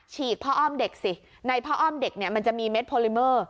ฉีกพ่ออ้อมเด็กสิในพ่ออ้อมเด็กมันจะมีเม็ดพอลิเมอร์